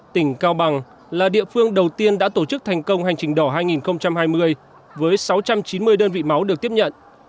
tỉnh cao bằng là địa phương đầu tiên đã tổ chức thành công hành trình đỏ hai nghìn hai mươi với sáu trăm chín mươi đơn vị máu được tiếp nhận